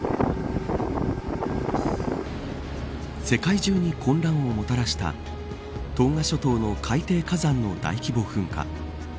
世界中に混乱をもたらしたトンガ諸島の海底火山の大規模噴火。